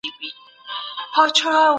اسلام د بشریت لپاره تر ټولو ښه نظام دی.